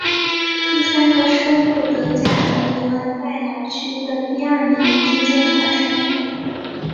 第三个升入德甲的名额在两区的第二名之间产生。